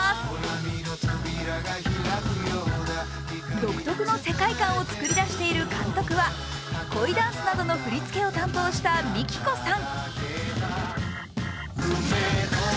独特の世界観をつくり出しているのは恋ダンスなどの振り付けを担当したＭＩＫＩＫＯさん。